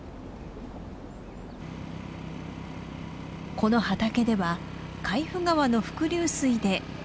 この畑では海部川の伏流水で苗を育てます。